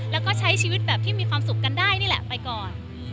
แล้วก็ใช้ชีวิตแบบที่มีความสุขกันได้นี่แหละไปก่อน